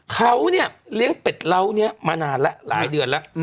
เขาเนี่ยเลี้ยงเป็ดเหล้านี้มานานแล้วหลายเดือนแล้ว